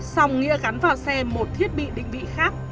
xong nghĩa gắn vào xe một thiết bị định vị khác